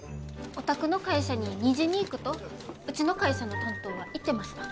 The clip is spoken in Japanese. お宅の会社に２時に行くとうちの会社の担当は言ってました。